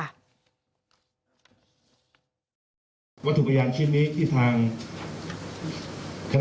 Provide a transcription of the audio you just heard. วัตถุพยานชีพนี้ที่ทาง